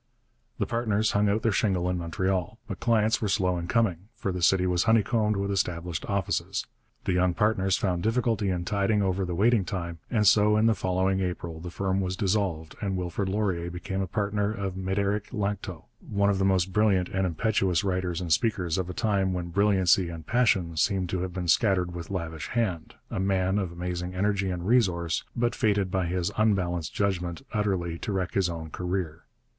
The partners hung out their shingle in Montreal. But clients were slow in coming, for the city was honeycombed with established offices. The young partners found difficulty in tiding over the waiting time, and so in the following April the firm was dissolved and Wilfrid Laurier became a partner of Médéric Lanctot, one of the most brilliant and impetuous writers and speakers of a time when brilliancy and passion seem to have been scattered with lavish hand, a man of amazing energy and resource, but fated by his unbalanced judgment utterly to wreck his own career.